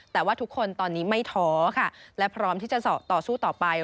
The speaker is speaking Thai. แต่ว่าทุกคนตอนนี้ไม่ท้อค่ะและพร้อมที่จะต่อสู้ต่อไป